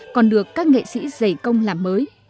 còn được các nghệ sĩ giày công làm mới